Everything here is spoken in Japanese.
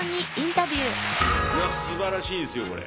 素晴らしいですよこれ。